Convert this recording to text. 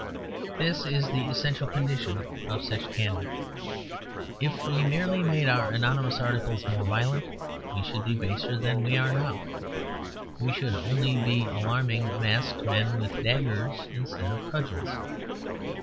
This is the essential condition of such candour. If we merely made our anonymous articles more violent, we should be baser than we are now. We should only be arming masked men with daggers instead of cudgels.